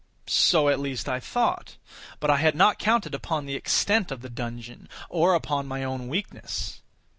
So, at least I thought: but I had not counted upon the extent of the dungeon, or upon my own weakness.